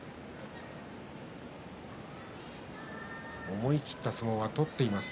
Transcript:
思い切った相撲は取っています